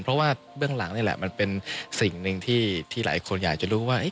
เพราะว่าเบื้องหลังนี่แหละมันเป็นสิ่งหนึ่งที่หลายคนอยากจะรู้ว่า